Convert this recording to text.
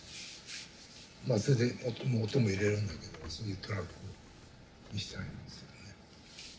まあそれで音も入れるんだけどそういうトラックにしたいんですよね。